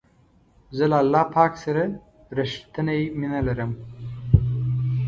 زه له الله پاک سره رښتنی مینه لرم.